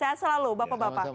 saya selalu bapak bapak